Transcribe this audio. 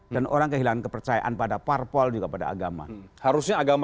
dan orang kehilangan kepercayaan pada parpol juga pada agama dan kemudian agama akan jatuh martabatnya